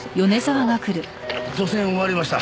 除染終わりました。